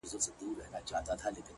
د سترگو توري په کي به دي ياده لرم _